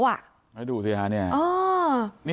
มาดูสิ